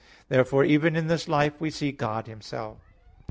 Therefore even in this life we see God Himself.